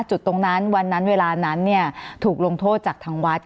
จุดตรงนั้นวันนั้นเวลานั้นถูกลงโทษจากทางวัด